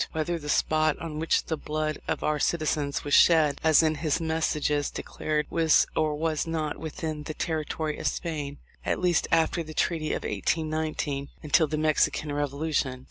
Whether the spot on which the blood of our citizens was shed as in his messages declared was or was not within the territory of Spain, at least after the treaty of 1819, until the Mexican revolution.